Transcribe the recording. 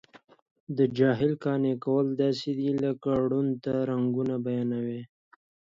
د جاهل قانع کول داسې دي لکه ړوند ته رنګونه بیانوي.